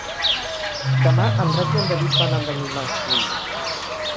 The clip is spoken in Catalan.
Demà en Drac i en David van a Benimarfull.